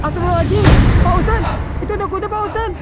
pak ustaz itu dokter pak ustaz